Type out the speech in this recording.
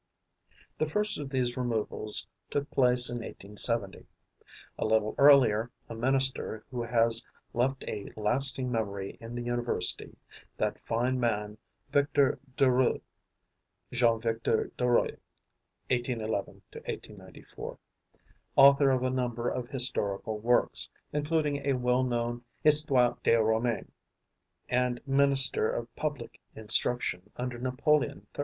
The first of these removals took place in 1870. A little earlier, a minister who has left a lasting memory in the University, that fine man, Victor Duruy (Jean Victor Duruy (1811 1894), author of a number of historical works, including a well known "Histoire des Romains", and minister of public instruction under Napoleon III.